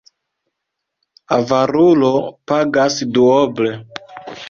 Avarulo pagas duoble.